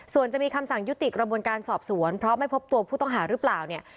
ส่วนจะมีคำสั่งยุติกระบวนการสอบสวนเพราะไม่พบตัวผู้ต้องหาหรือเปล่าเนี่ย